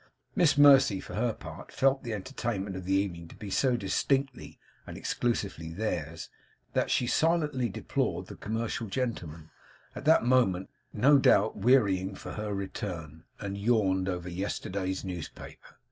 Miss Mercy, for her part, felt the entertainment of the evening to be so distinctly and exclusively theirs, that she silently deplored the commercial gentlemen at that moment, no doubt, wearying for her return and yawned over yesterday's newspaper.